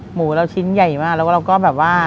หมูเราชิ้นใหญ่มากแล้วเราก็แบบว่า